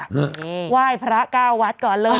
เฮ่ยว่ายพระเก้าวัดก่อนเลย